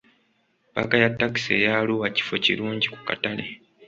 Paaka ya takisi eya Arua kifo kirungi ku katale.